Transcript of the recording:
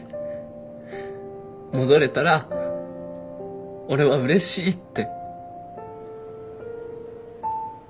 戻れたら俺はうれしいって。